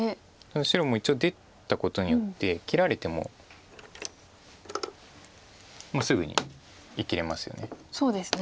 白も一応出たことによって切られてもすぐに生きれますよね。